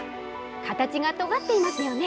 形がとがっていますよね。